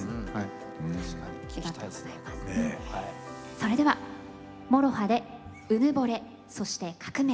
それではＭＯＲＯＨＡで「うぬぼれ」そして「革命」。